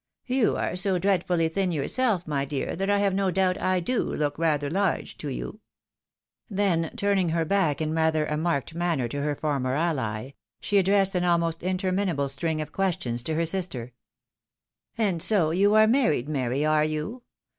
" You are so dreadfully thin yourself, my dear, that I have no doubt I do look rather large to you ;" then turning her back in rather a marked manner to her former ally, she addressed an almost interminable string of questions to her sister. "And so you are married, Mary, are you?